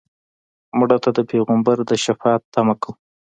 مړه ته د پیغمبر د شفاعت تمه کوو